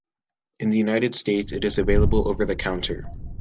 In the United States it is available over the counter.